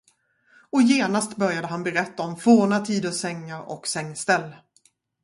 Och genast började han berätta om forna tiders sängar och sängställ.